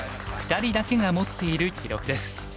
２人だけが持っている記録です。